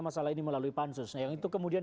masalah ini melalui pansus yang itu kemudian